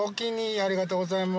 ありがとうございます。